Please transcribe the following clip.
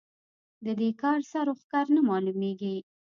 د دې کار سر و ښکر نه مالومېږي.